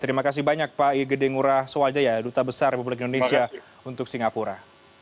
terima kasih banyak pak igede ngurah swajaya duta besar republik indonesia untuk singapura